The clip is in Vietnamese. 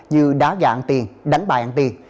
như đá gà ăn tiền đánh bạc ăn tiền